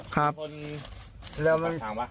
ครับ